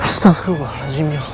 astagfirullahaladzim ya allah